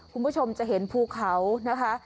คุณผู้ชมจะเห็นภูเขานะคะ